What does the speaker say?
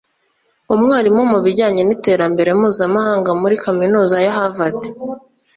umwarimu mu bijyanye n’iterambere mpuzamahanaga muri Kaminuza ya Harvard